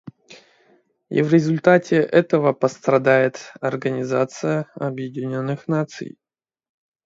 И в результате этого пострадает Организация Объединенных Наций.